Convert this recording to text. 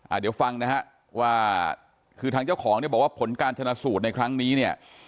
เดี๋ยวฟังนะฮะว่าคือทางเจ้าของเนี่ยบอกว่าผลการชนะสูตรในครั้งนี้เนี่ย